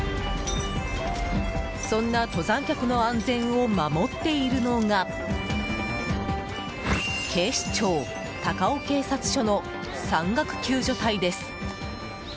そんな登山客の安全を守っているのが警視庁高尾警察署の山岳救助隊です。